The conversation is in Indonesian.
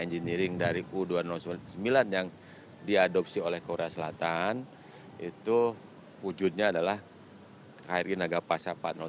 engineering dari u dua ratus sembilan yang diadopsi oleh korea selatan itu wujudnya adalah kri nagapasa empat ratus dua